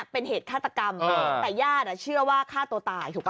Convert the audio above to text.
เป็นเหตุฆาตกรรมแต่ญาติเชื่อว่าฆ่าตัวตายถูกป่